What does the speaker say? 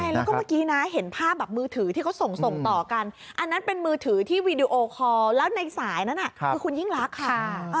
แล้วก็เมื่อกี้นะเห็นภาพแบบมือถือที่เขาส่งส่งต่อกันอันนั้นเป็นมือถือที่วีดีโอคอลแล้วในสายนั้นคือคุณยิ่งรักค่ะ